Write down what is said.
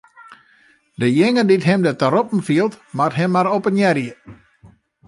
Dejinge dy't him derta roppen fielt, moat him mar oppenearje.